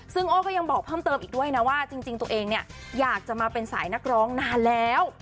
ซึ่งโอ้ก็ยังบอกเพิ่มเติมอีกด้วยนะว่าจริงตัวเองเนี่ยอยากจะมาเป็นสายนักร้องนานแล้ว